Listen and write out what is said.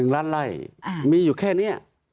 ๑ล้านไล่มีอยู่แค่นี้